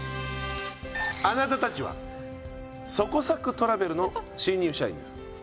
あなたたちはそこさくトラベルの新入社員です。